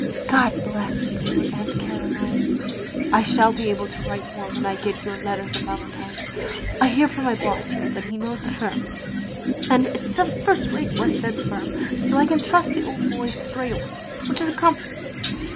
God bless poor Aunt Caroline. I shall be able to write more when I get your letters and Valentine^s. I hear from my boss here that he knows the firm, and it *s a first rate west end firm, so I can, trust the old boy straight away, which is a comfort.